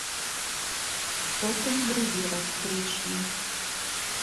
Потым другі раз прыйшлі.